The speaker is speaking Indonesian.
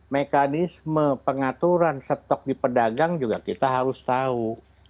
mekanisme pengaturan stok di pedagang juga kita harus tahu